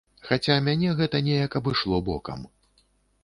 Хаця мяне гэта неяк абышло бокам.